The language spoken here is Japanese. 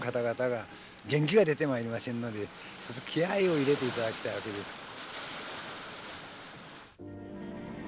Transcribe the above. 元気が出てまいりませんので気合いを入れていただきたいわけです。